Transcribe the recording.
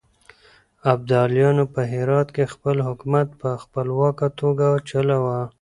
ابداليانو په هرات کې خپل حکومت په خپلواکه توګه چلاوه.